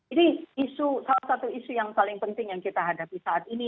ini isu salah satu isu yang paling penting yang kita hadapi saat ini